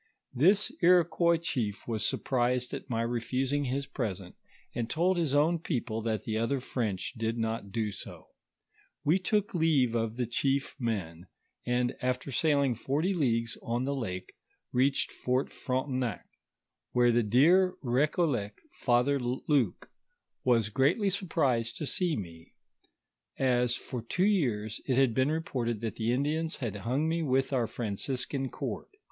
This Iroquois chief wos surprised at my refusing his present, and told his own people that tho other French did not do so. We took leave of the chief men, and after sailing forty leagues on tho lake, reached Fort Frontenac, where tho dear Recollect Father Luke was greatly surprised to see me, as for two years it hud been reported that tho Indians had hung mo with our Fran ciscan cord.